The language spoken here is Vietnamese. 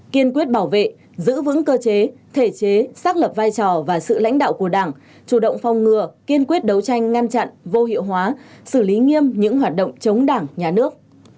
kiên quyết bảo vệ giữ vững cơ chế thể chế xác lập vai trò và sự lãnh đạo của đảng chủ động phong ngừa kiên quyết đấu tranh ngăn chặn vô hiệu hóa xử lý nghiêm những hoạt động chống đảng nhà nước